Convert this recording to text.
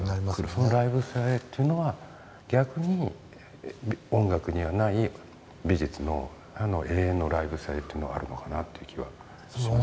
そのライブ性というのは逆に音楽にはない美術の永遠のライブ性というのはあるのかなという気はしますね。